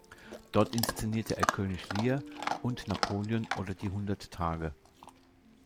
Dort inszenierte er "König Lear" und "Napoleon oder Die hundert Tage".